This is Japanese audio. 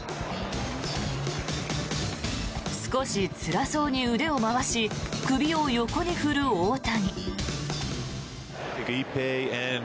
少しつらそうに腕を回し首を横に振る大谷。